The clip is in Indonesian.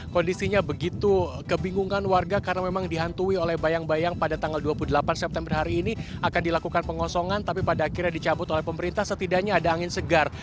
kondisinya begitu kebingungan warga karena memang dihantui oleh bayang bayang pada tanggal dua puluh delapan september hari ini akan dilakukan pengosongan tapi pada akhirnya dicabut oleh pemerintah setidaknya ada angin segar